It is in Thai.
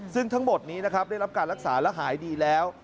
ซึ่งทั้งหมดนี้นะครับได้รับการรักษาและหายดีแล้ว